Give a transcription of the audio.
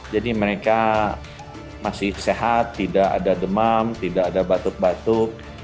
jadi mereka masih sehat tidak ada demam tidak ada batuk batuk